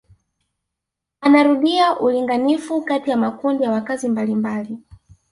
Anarudia ulinganifu kati ya makundi ya wakaazi mbalimbali